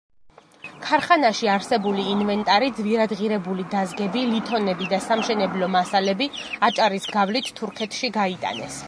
ქარხანაში არსებული ინვენტარი, ძვირადღირებული დაზგები, ლითონები და სამშენებლო მასალები, აჭარის გავლით, თურქეთში გაიტანეს.